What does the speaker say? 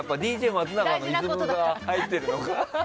ＤＪ松永のイズムが入ってるのか。